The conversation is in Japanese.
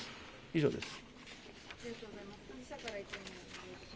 以上です。